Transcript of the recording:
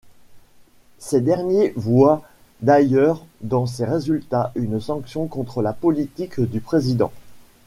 Ces derniers voient d'ailleurs dans ces résultats une sanction contre la politique du président.